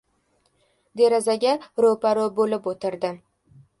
Derazaga ro‘paro‘ bo‘lib o‘tirdi.